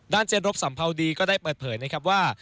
เจนรบสัมภาวดีก็ได้เปิดเผยนะครับว่า